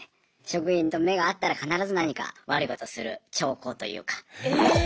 職員と目が合ったら必ず何か悪いことする兆候というか。